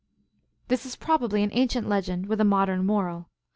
This is probably an ancient legend with a modern moral.